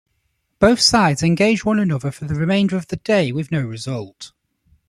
Both sides engaged one another for the remainder of the day with no result.